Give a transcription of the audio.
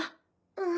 うん。